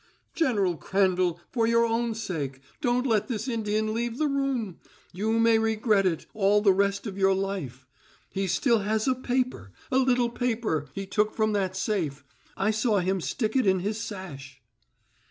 "General Crandall, for your own sake don't let this Indian leave the room. You may regret it all the rest of your life. He still has a paper a little paper he took from that safe. I saw him stick it in his sash."